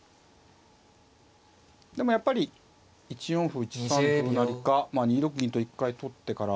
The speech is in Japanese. でもやっぱり１四歩１三歩成かまあ２六銀と一回取ってからか。